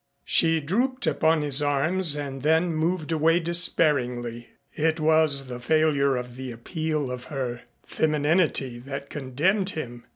She drooped upon his arms and then moved away despairingly. It was the failure of the appeal of her femininity that condemned him.